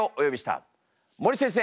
森先生